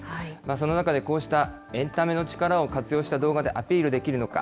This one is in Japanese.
その中でこうした、エンタメの力を活用した動画でアピールできるのか。